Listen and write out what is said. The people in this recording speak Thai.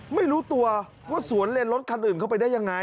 ไม่รู้ตัวว่าสวนเลนรถคันอื่นเข้าไปได้ยังไง